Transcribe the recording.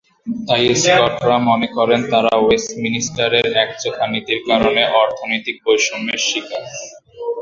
তাই স্কটরা মনে করে, তারা ওয়েস্টমিনস্টারের একচোখা নীতির কারণে অর্থনৈতিক বৈষম্যের শিকার।